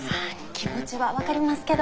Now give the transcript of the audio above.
気持ちは分かりますけど。